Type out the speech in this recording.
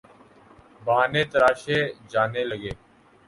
بہانے تراشے جانے لگے۔